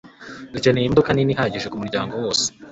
Dukeneye imodoka nini ihagije kumuryango wose.